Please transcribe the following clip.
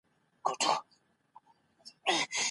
بهرنۍ پالیسي د هیواد د سیاسي بنسټونو ملاتړ کوي.